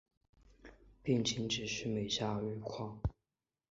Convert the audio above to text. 病情只是每下愈况